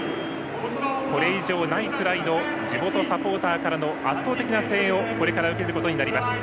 これ以上ないくらいの地元サポーターからの圧倒的な声援をこれから受けることになります。